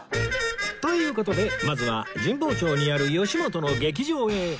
という事でまずは神保町にある吉本の劇場へ